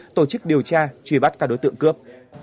tổ chức điều tra truy bắt các đối tượng cướp